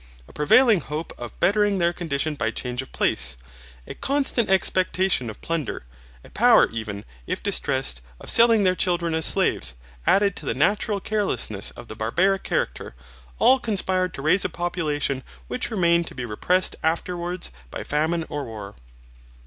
A prevailing hope of bettering their condition by change of place, a constant expectation of plunder, a power even, if distressed, of selling their children as slaves, added to the natural carelessness of the barbaric character, all conspired to raise a population which remained to be repressed afterwards by famine or war.